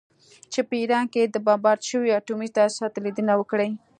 چې په ایران کې د بمبارد شویو اټومي تاسیساتو لیدنه وکړي